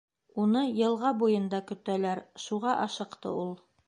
— Уны йылға буйында көтәләр, шуға ашыҡты ул...